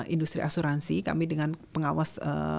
industri asuransi kami dengan pengawas